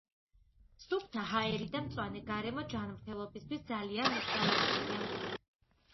სუფთა ჰაერი და მწვანე გარემო ჯანმრთელობისთვის ძალიან მნიშვნელოვანია.